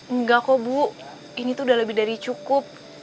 enggak kok bu ini tuh udah lebih dari cukup